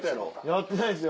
やってないです